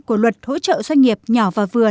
của luật hỗ trợ doanh nghiệp nhỏ và vừa